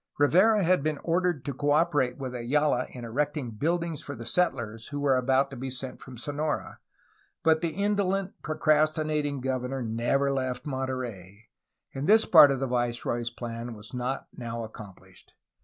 Rivera had been ordered to cooperate with Ayala in erecting buildings for the settlers who were about to be sent from Sonora, but the indolent, procrastinating governor never left Monterey, and this part of the viceroy's plan was not now accomphshed.